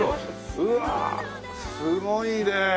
うわすごいねえ。